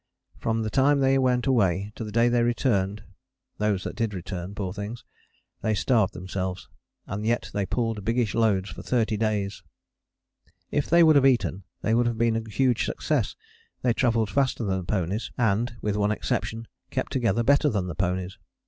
From the time they went away to the day they returned (those that did return, poor things) they starved themselves, and yet they pulled biggish loads for 30 days. If they would have eaten they would have been a huge success. They travelled faster than the ponies and, with one exception, kept together better than the ponies.